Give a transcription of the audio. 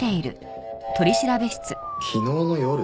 昨日の夜？